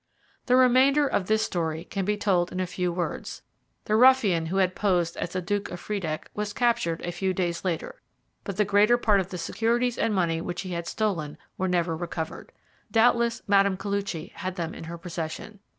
The remainder of this story can be told in a few words. The ruffian who had posed as the Duke of Friedeck was captured a few days later, but the greater part of the securities and money which he had stolen were never recovered. Doubtless Mme. Koluchy had them in her possession.